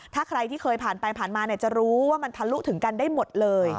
ถ้าใครที่เคยผ่านไปผ่านมาจะรู้ว่ามันทะลุถึงกันได้หมดเลย